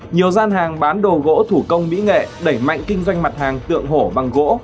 nhiều gian hàng bán đồ gỗ thủ công mỹ nghệ đẩy mạnh kinh doanh mặt hàng tượng hổ bằng gỗ